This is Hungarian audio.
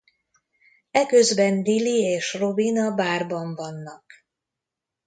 Eközben Lily és Robin a bárban vannak.